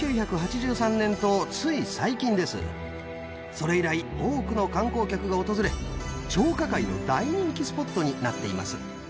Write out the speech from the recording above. それ以来多くの観光客が訪れ張家界の大人気スポットになっています。